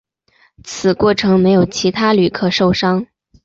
此过程没有其他旅客受伤。